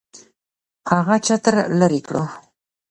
هغه چتر لري کړو.